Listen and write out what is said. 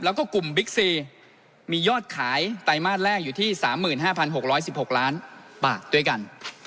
แล้วก็กลุ่มบิ๊กซีมียอดขายไตรมาสแรกอยู่ที่๓๕๖๑๖ล้านบาทด้วยกัน